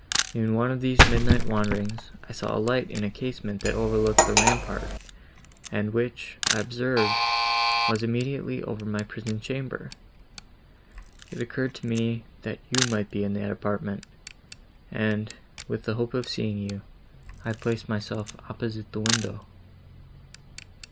In one of these midnight wanderings, I saw light in a casement that overlooked the rampart, and which, I observed, was immediately over my prison chamber. It occurred to me, that you might be in that apartment, and, with the hope of seeing you, I placed myself opposite to the window."